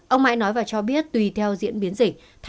ông mãi nói và cho biết tùy theo diễn biến dịch